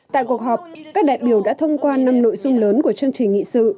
tại cuộc họp các đại biểu đã thông qua năm nội dung lớn của chương trình nghị sự